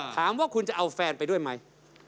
ถามว่าคุณจะเอาแฟนไปด้วยไหม